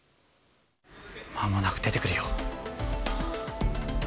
まもなく出てくるよ。